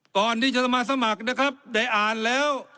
ก่อนที่จะมาสมัครนะครับได้อ่านแล้ว